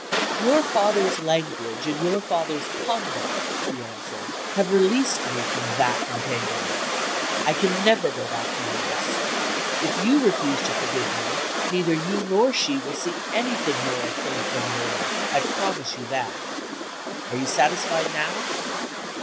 "Your father's language and your father's conduct," he answered, "have released me from that entanglement. I can never go back to Eunice. If you refuse to forgive me, neither you nor she will see anything more of Philip Dunboyne; I promise you that. Are you satisfied now?"